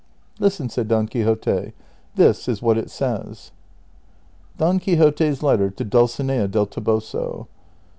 '•' Listen," said Don Quixote, " this is what it says :" Don Quixote's Letter to Dulcinea del Toboso.